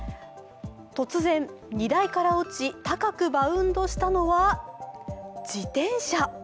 突然、荷台から落ち高くバウンドしたのは自転車。